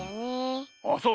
あっそう？